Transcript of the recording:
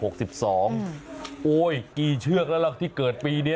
กี่เชือกแล้วที่เกิดปีนี้